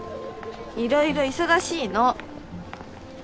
いろいろ忙しいの。